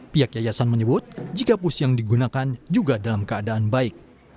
pihak yayasan menyebut jika pus yang digunakan juga dalam keadaan baik